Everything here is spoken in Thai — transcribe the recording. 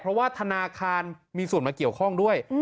เพราะว่าธนาคารมีส่วนมาเกี่ยวข้องด้วย